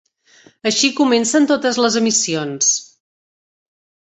Així comencen totes les emissions.